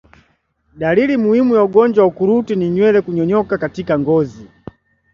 Dalili muhimu ya ugonjwa wa ukurutu ni nywele kunyonyoka katika ngozi